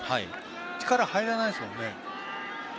力が入らないですもんね。